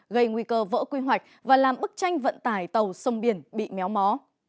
gây nguy cơ vỡ quy hoạch và làm bức tranh vận tải tàu sông biển bị méo mó